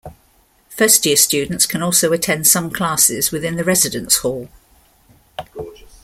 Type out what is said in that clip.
First year students can also attend some classes within the residence hall.